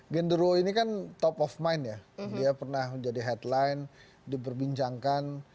genruo ini kan top of mind ya dia pernah menjadi headline diperbincangkan